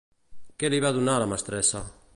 Què li va donar la mestressa?